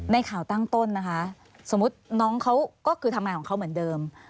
ในข่าวตั้งต้นนะคะสมมุติน้องเขาก็คือทำงานของเขาเหมือนเดิม